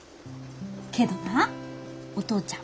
けどなお父ちゃん